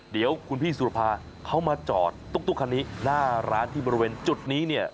เดี๋ยวคุณพี่สุรภาเขามาจอดตุ๊กคันนี้หน้าร้านที่บริเวณจุดนี้เนี่ย